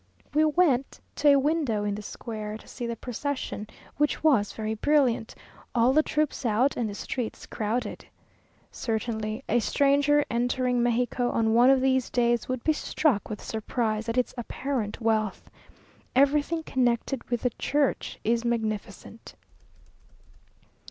We went to a window in the square, to see the procession, which was very brilliant; all the troops out, and the streets crowded. Certainly, a stranger entering Mexico on one of these days would be struck with surprise at its apparent wealth. Everything connected with the church is magnificent.